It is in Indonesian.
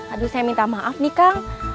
aduh saya minta maaf nih kang